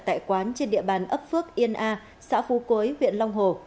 tại quán trên địa bàn ấp phước yên a xã phú quế huyện long hồ